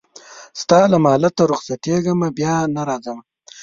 ستا له مالته رخصتېږمه بیا نه راځمه